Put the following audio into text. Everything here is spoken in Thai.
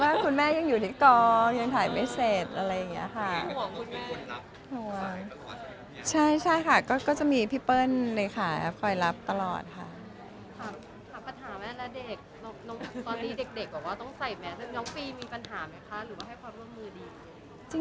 ถามปัญหาแม่และเด็กตอนนี้เด็กบอกว่าต้องใส่แมสน้องฟรีมีปัญหาไหมคะหรือว่าให้พอร่วมมือดี